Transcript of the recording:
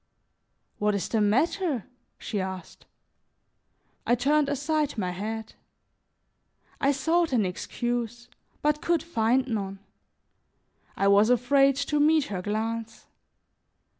"What is the matter?" she asked. I turned aside my head. I sought an excuse, but could find none; I was afraid to meet her glance.